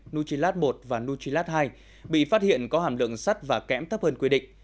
nucilat một và nucilat hai bị phát hiện có hàm lượng sắt và kẽm thấp hơn quy định